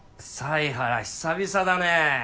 犀原久々だね。